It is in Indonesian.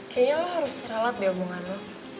kayaknya lo harus serah lo di hubungan lo